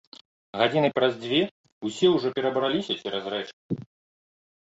Гадзіны праз дзве ўсе ўжо перабраліся цераз рэчку.